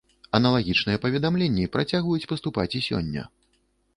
Аналагічныя паведамленні працягваюць паступаць й сёння.